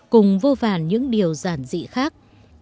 cùng vô vàn những điều giản dị khác